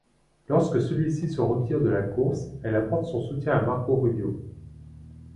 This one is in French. Lorsque celui-ci se retire de la course, elle apporte son soutien à Marco Rubio.